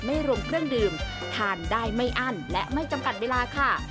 ไม่รวมเครื่องดื่มทานได้ไม่อั้นและไม่จำกัดเวลาค่ะ